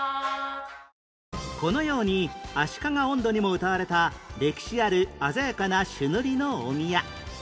このように『足利音頭』にも歌われた歴史ある鮮やかな朱塗りのお宮